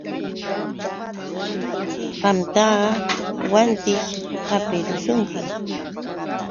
Qamtaqa wantićh hapirishunki.